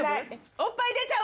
おっぱい出ちゃう！